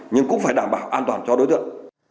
nhưng cũng phải đảm bảo an toàn cho đối tượng